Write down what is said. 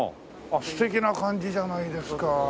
あっ素敵な感じじゃないですか。